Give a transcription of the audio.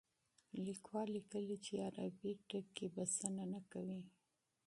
لیکوال لیکلي چې عربي توري بسنه نه کوي.